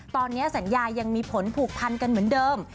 ตอนนี้สัญญายังมีผลผูกพันกันเหมือนเดิม